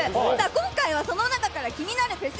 今回はその中から気になるフェス